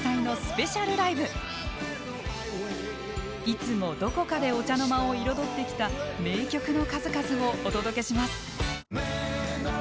いつもどこかでお茶の間を彩ってきた名曲の数々をお届けします。